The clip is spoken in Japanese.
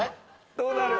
どうなる？